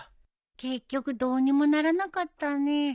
結局どうにもならなかったね。